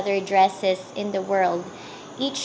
thật sự là hữu ích